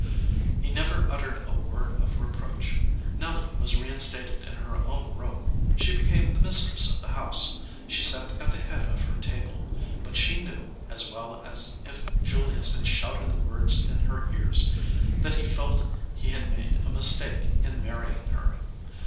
He never uttered a word of reproach. Nelly was reinstated in her own room; she became the mistress of the house; she sat at the head of her table; but she knew, as well as if Julius had shouted the words in her ears, that he felt he had made a mistake in marrying her.